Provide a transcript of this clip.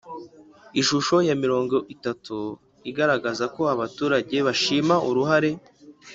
Ishusho ya mirongo itatu iragaragaza ko abaturage bashima uruhare